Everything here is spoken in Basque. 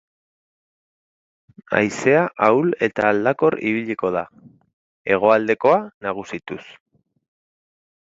Haizea ahul eta aldakor ibiliko da, hegoaldekoa nagusituz.